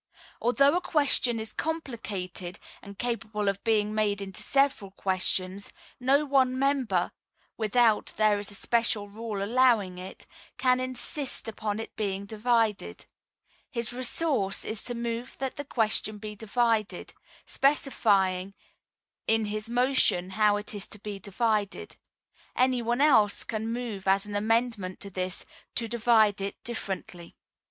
Although a question is complicated, and capable of being made into several questions, no one member (without there is a special rule allowing it) can insist upon its being divided; his resource is to move that the question be divided, specifying in his motion how it is to be divided. Any one else can move as an amendment to this, to divide it differently.